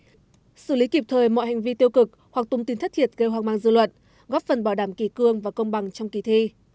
xử lý kịp thời mọi hành vi tiêu cực hoặc tông tin thất thiệt gây hoang mang dư luận góp phần bảo đảm kỳ cương và công bằng trong kỳ thi